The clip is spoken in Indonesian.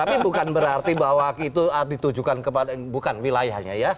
tapi bukan berarti bahwa itu ditujukan kepada bukan wilayahnya ya